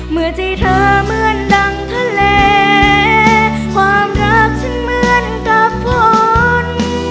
เมื่อใจเธอเหมือนดังทะเลความรักฉันเหมือนกับฝน